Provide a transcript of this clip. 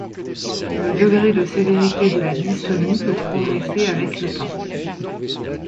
Le degré de sévérité de la dystonie peut progresser avec le temps.